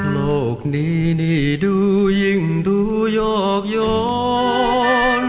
โลกนี้นี่ดูยิ่งดูโยกย้อน